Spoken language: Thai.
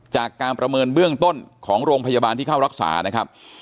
จากการประเมินเบื้องต้นของโรงพยาบาลที่เข้ารักษานะครับ